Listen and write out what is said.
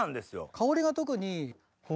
香りが特に芳醇。